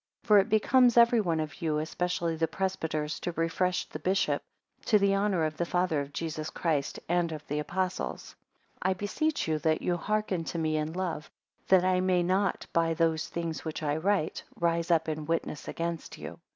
3 For it becomes everyone of you, especially the presbyters, to refresh the bishop, to the honour of the Father of Jesus Christ, and of the Apostles. 4 I beseech you, that you hearken to me in love; that I may not by those things which I write, rise up in witness against you.